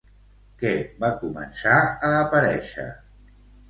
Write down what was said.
Què va començar a aparèixer?